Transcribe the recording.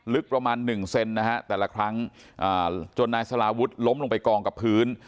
ลึกประมาณหนึ่งเซนนะฮะแต่ละครั้งจนนายสลาวุฒิล้มลงไปกองกับพื้น